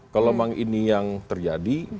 kalau memang ini yang terjadi